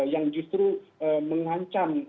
yang justru mengancam